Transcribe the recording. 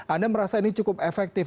anda merasa ini cukup efektif